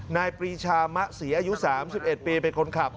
ปรีชามะศรีอายุ๓๑ปีเป็นคนขับ